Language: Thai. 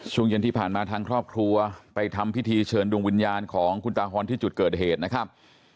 ช่วงเย็นที่ผ่านมาทางครอบครัวไปทำพิธีเชิญดวงวิญญาณของคุณตาฮอนที่จุดเกิดเหตุนะครับ